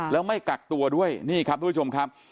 แล้วไม่กักตัวด้วยนี่ครับทุกผู้ชมครับ